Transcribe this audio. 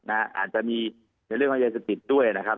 อาจจะมีในเรื่องของยาเสพติดด้วยนะครับ